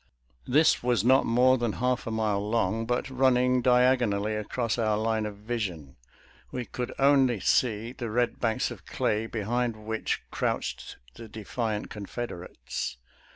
This was not more than half a mile long, but running diag onally across our line of vision, we could only see the red banks of clay behind which crouched the defiant Confederates.